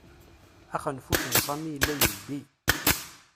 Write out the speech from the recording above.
Axenfuc n Sami yella yeldi.